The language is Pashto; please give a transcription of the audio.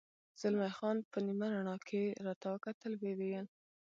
زلمی خان په نیمه رڼا کې راته وکتل، ویې ویل.